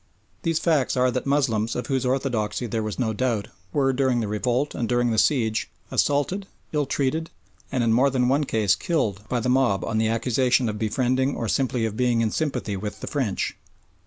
These facts are that Moslems of whose orthodoxy there was no doubt were during the revolt and during the siege assaulted, ill treated, and in more than one case killed, by the mob on the accusation of befriending or simply of being in sympathy with the French.